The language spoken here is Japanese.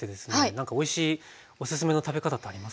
なんかおいしいおすすめの食べ方ってありますか？